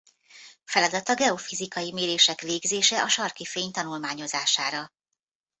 Feladata geofizikai mérések végzése a sarki fény tanulmányozására.